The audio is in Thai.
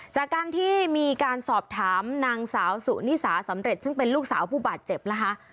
จากการที่มีการสอบถามนางสาวสุนิสาสำเร็จซึ่งเป็นลูกสาวผู้บาดเจ็บนะคะ